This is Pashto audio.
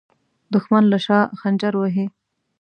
دښمن له شا خنجر وهي